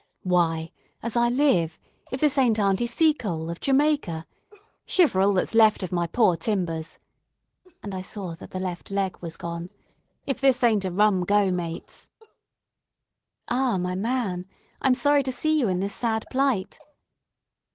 "Why, as I live, if this ain't Aunty Seacole, of Jamaica! Shiver all that's left of my poor timbers" and I saw that the left leg was gone "if this ain't a rum go, mates!" "Ah! my man, I'm sorry to see you in this sad plight."